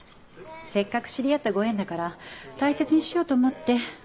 せっかく知り合ったご縁だから大切にしようと思って。